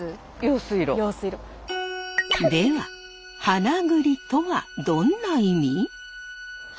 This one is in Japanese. では鼻ぐりとはどんな意味？